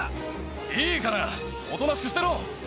いいからおとなしくしてろ。